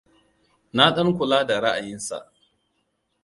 Na ɗan kula da ra'ayinsa.